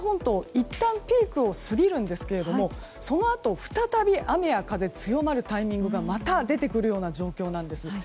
いったんピークを過ぎるんですけどもそのあと再び雨や風が強まるタイミングがまた出てくる状況なんです。